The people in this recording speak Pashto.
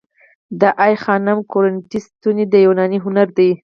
د آی خانم کورینتی ستونې د یوناني هنر دي